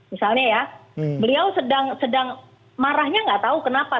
misalnya ya beliau sedang marahnya nggak tahu kenapa